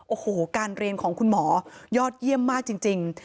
โอ้โหการเรียนของคุณหมอยอดเยี่ยมมากจริง